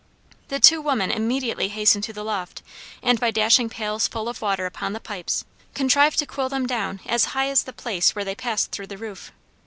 The two women immediately hastened to the loft and by dashing pails full of water upon the pipes, contrived to cool them down as high as the place where they passed through the roof.